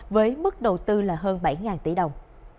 với mức đầu tư là hơn bảy tỷ đồng